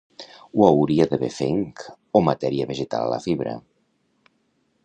No hauria d'haver fenc o matèria vegetal a la fibra.